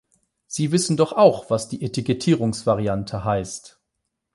Sie wissen doch auch, was die Etikettierungsvariante heißt.